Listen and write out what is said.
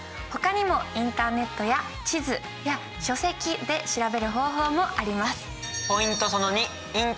他にもインターネットや地図や書籍で調べる方法もあります。